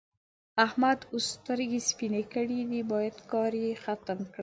احمد اوس سترګې سپينې کړې دي؛ بايد کار يې ختم کړم.